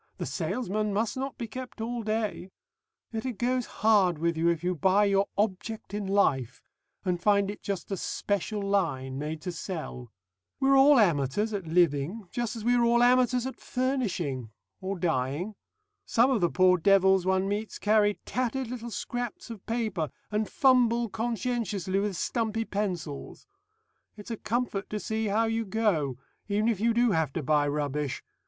The salesman must not be kept all day.... Yet it goes hard with you if you buy your Object in Life and find it just a 'special line' made to sell.... We're all amateurs at living, just as we are all amateurs at furnishing or dying. Some of the poor devils one meets carry tattered little scraps of paper, and fumble conscientiously with stumpy pencils. It's a comfort to see how you go, even if you do have to buy rubbish.